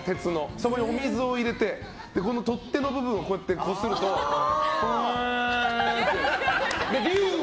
そこにお水を入れてこの取っ手の部分をこするとフェーンって。